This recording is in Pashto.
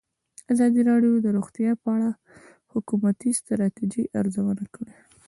ازادي راډیو د روغتیا په اړه د حکومتي ستراتیژۍ ارزونه کړې.